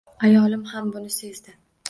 Ayol ham buni sezdi